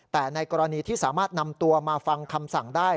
แต่ในกรณีที่สามารถนำตัวมาฟังคำสั่งได้